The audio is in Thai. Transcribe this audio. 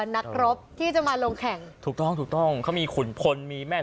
นักรบที่จะมาลงแข่งถูกต้องถูกต้องเขามีขุนพลมีแม่